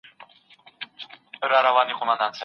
شک کول د پوهي دروازې پرانیزي.